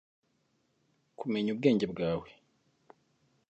kumenya ubwenge bwanjye